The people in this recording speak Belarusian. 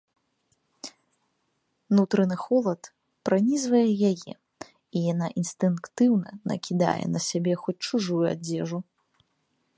Нутраны холад пранізвае яе, і яна інстынктыўна накідае на сябе хоць чужую адзежу.